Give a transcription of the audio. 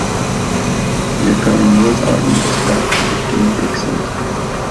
Wir können nur sagen, dass wir auf dem richtigen Weg sind.